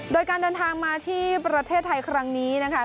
โดยการเดินทางมาที่ประเทศไทยครั้งนี้นะคะ